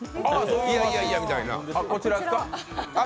いやいやいやみたいな。